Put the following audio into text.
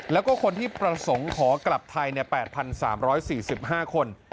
แล้วก็คนที่ประสงค์ขอกลับไทย๘๓๔๕คน